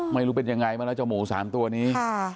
ไม่รู้เป็นยังไงแล้วหลักจากหมู๓ตัวนี้